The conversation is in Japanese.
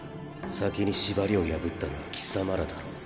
先に縛りを破ったのは貴様らだろう。